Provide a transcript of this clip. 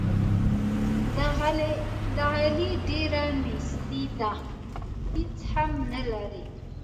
د علي ډېره نیستي ده، هېڅ هم نه لري.